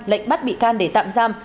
lệnh bắt bị can để tạm giam